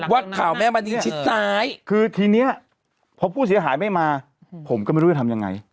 ว่าข่าวแม่มณีชิดซ้ายคือทีนี้พอผู้เสียหายไม่มาผมก็ไม่รู้จะทำยังไง